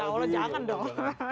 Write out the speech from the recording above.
ya allah jangan dong